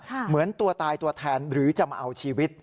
เหมือนตัวตายตัวแทนหรือจะมาเอาชีวิต